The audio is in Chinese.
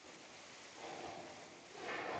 现在是富山市的一部分。